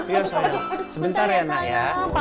iya sayang sebentar ya anak ya